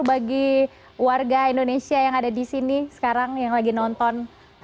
bagi warga indonesia yang ada di sini sekarang yang lagi nonton